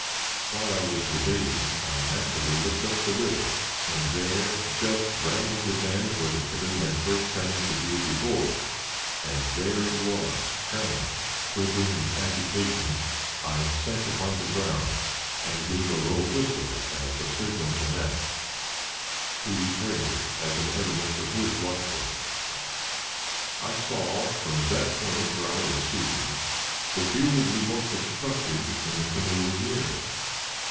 While I was debating, I naturally looked up the river, and there, just rounding the bend where the canoe had first come into view before, and there it was coming! Quivering with agitation, I sank upon the ground, and gave a low whistle as a signal to Nat. He returned it, as an evidence of his watchfulness. I saw from that point where I was seated, the view would be most obstructed when the canoe was nearest.